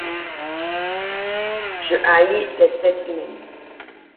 Je hais l’espèce humaine.